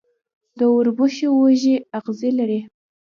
د وربشو وږی اغزي لري.